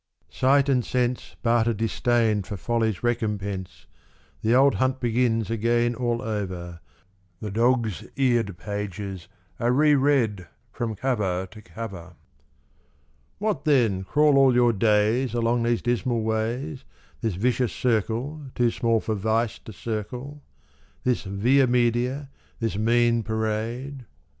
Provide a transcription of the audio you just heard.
Sight and sense Barter disdain for folly's recompense. The old hunt begins again all over : The dogs' eared pages are re read from cover to cover. '' What then, crawl all your days " Along these dismal ways, " This vicious circle too small for vice to circle, " This ino. media, this mean parade?